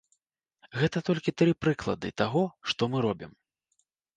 Гэта толькі тры прыклады таго, што мы робім.